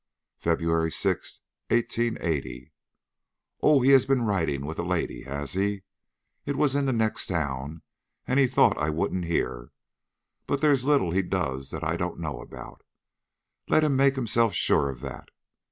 "FEBRUARY 6, 1880. Oh, he has been riding with a lady, has he? It was in the next town, and he thought I wouldn't hear. But there's little he does that I don't know about; let him make himself sure of that.